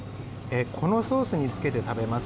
このソースにつけて食べます。